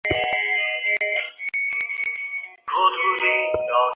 আরেকবার সেক্স করবে?